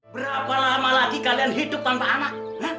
berapa lama lagi kalian hidup tanpa anak